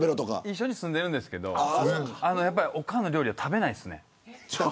一緒に住んでいるんですけどオカンの料理は食べないですね。